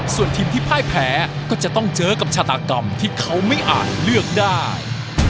ส่วนทีมที่พ่ายแพ้ก็จะต้องเจอกับชาตากรรมที่เขาไม่อาจเลือกได้